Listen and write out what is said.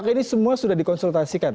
ini semua sudah dikonsultasikan